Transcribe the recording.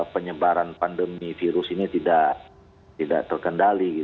penyebaran pandemi virus ini tidak terkendali